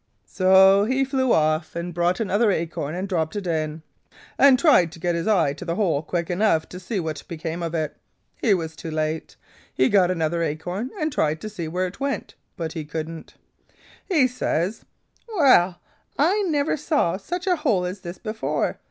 "So he flew off and brought another acorn and dropped it in, and tried to get his eye to the hole quick enough to see what became of it. He was too late. He got another acorn and tried to see where it went, but he couldn't. "He says: 'Well, I never saw such a hole as this before.